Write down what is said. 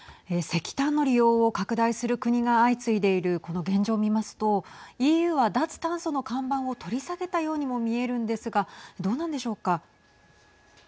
石炭の利用を拡大する国が相次いでいるこの現状を見ますとＥＵは脱炭素の看板を取り下げたようにも見えるんですがどうなんでしょうか。